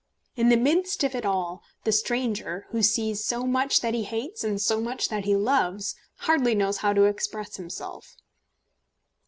In the midst of it all the stranger, who sees so much that he hates and so much that he loves, hardly knows how to express himself.